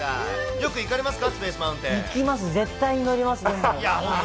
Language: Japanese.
よく行かれますか？